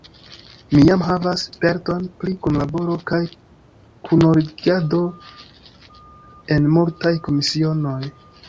Mi jam havas sperton pri kunlaboro kaj kunordigado en multaj komisionoj.